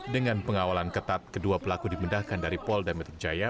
dengan pengawalan ketat kedua pelaku dipindahkan dari polda metjaya